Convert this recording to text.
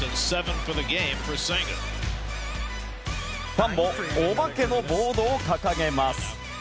ファンもお化けのボードを掲げます！